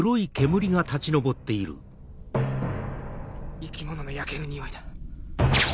生き物の焼けるにおいだ。